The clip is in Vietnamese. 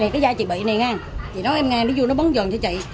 cái da chị bị này ngang chị nói em ngang nó vô nó bấm dần cho chị